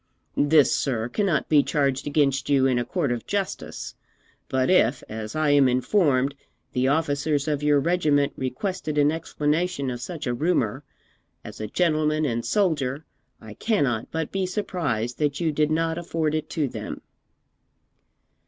This, sir, cannot be charged against you in a court of justice; but if, as I am informed, the officers of your regiment requested an explanation of such a rumour, as a gentleman and soldier I cannot but be surprised that you did not afford it to them.'